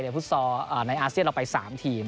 ฟุตซอลในอาเซียนเราไป๓ทีม